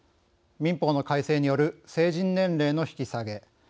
民法の改正による成人年齢の引き下げ。